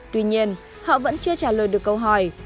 tuy nhiên họ vẫn chưa trả lời được câu hỏi